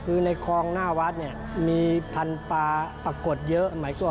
คือในคลองหน้าวัดมีพันธุ์ปลาปรากฏเยอะ